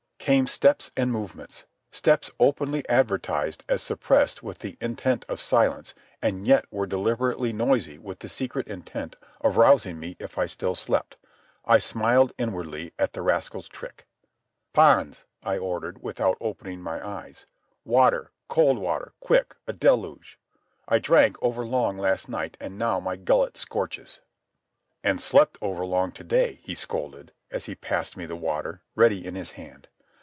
Came steps and movements—steps openly advertised as suppressed with the intent of silence and that yet were deliberately noisy with the secret intent of rousing me if I still slept. I smiled inwardly at the rascal's trick. "Pons," I ordered, without opening my eyes, "water, cold water, quick, a deluge. I drank over long last night, and now my gullet scorches." "And slept over long to day," he scolded, as he passed me the water, ready in his hand.